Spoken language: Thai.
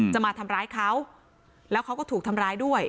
จะมาทำร้ายเขาแล้วเขาก็ถูกทำร้ายด้วย